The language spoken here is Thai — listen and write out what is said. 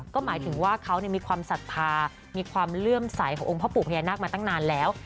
ก็หมายถึงว่าเขามีความศรัทธามีความเลื่อมใสขององค์พ่อปู่พญานาคมาตั้งนานแล้ว